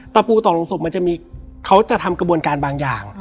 ตะปูต่อลงศพมันจะมีเขาจะทำกระบวนการบางอย่าง